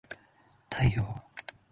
太陽